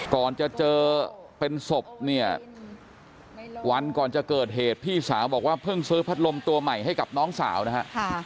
ก่อนจะเจอเป็นศพเนี่ยวันก่อนจะเกิดเหตุพี่สาวบอกว่าเพิ่งซื้อพัดลมตัวใหม่ให้กับน้องสาวนะฮะ